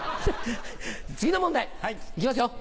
次の問題行きますよ。